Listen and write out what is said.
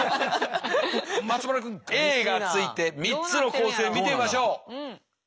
松丸君Ａがついて３つの構成見てみましょう。